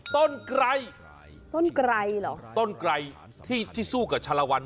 ต้นไกรต้นไกรเหรอต้นไกรที่สู้กับชะละวัน